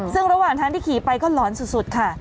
ซึ่งระหว่างทางที่ขี่ไปก็หลอนสุดค่ะ